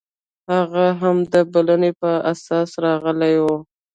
هغه هم د بلنې پر اساس راغلی و.